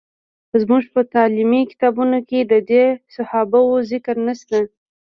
زموږ په تعلیمي کتابونو کې د دې صحابه وو ذکر نشته.